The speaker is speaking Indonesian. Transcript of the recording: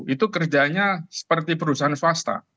itu kerjanya seperti perusahaan swasta